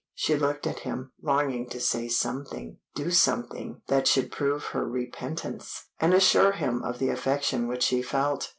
She looked at him, longing to say something, do something that should prove her repentance, and assure him of the affection which she felt.